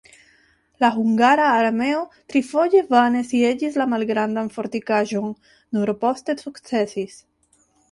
La hungara armeo trifoje vane sieĝis la malgrandan fortikaĵon, nur poste sukcesis.